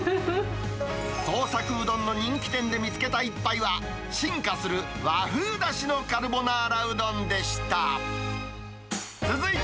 創作うどんの人気店で見つけた一杯は、進化する和風だしのカルボナーラうどんでした。